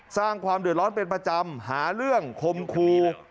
สร้างความเดือดร้อนเป็นประจำหาเรื่องคมครู